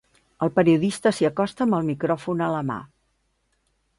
El periodista s'hi acosta amb el micròfon a la mà.